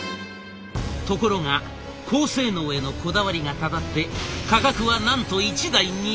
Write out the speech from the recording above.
ところが高性能へのこだわりがたたって価格はなんと１台２５０万円。